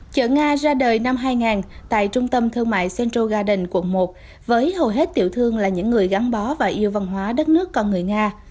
chợ nga ra đời năm hai nghìn tại trung tâm thương mại central garden quận một với hầu hết tiểu thương là những người gắn bó và yêu văn hóa đất nước con người nga